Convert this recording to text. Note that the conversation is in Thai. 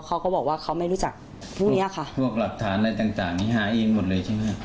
เขาก็บอกว่าเขาไม่รู้จักพวกเนี้ยค่ะพวกหลักฐานอะไรต่างต่างนี้หาเองหมดเลยใช่ไหม